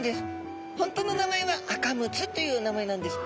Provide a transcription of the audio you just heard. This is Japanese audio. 本当の名前はアカムツという名前なんです。